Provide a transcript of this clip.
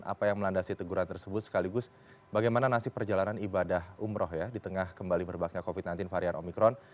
apa yang melandasi teguran tersebut sekaligus bagaimana nasib perjalanan ibadah umroh ya di tengah kembali merebaknya covid sembilan belas varian omikron